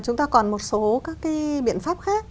chúng ta còn một số các biện pháp khác